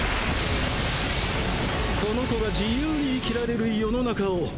「この子が自由に生きられる世の中を！」